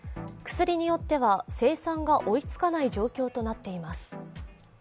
薬によっては生産が追いつかない状況となっています。